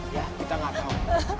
ya kita gak tau